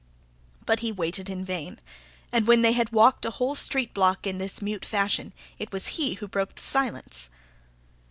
But he waited in vain; and when they had walked a whole street block in this mute fashion, it was he who broke the silence.